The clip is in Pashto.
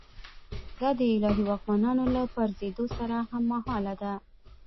دا د الهي واکمنانو له پرځېدو سره هممهاله ده.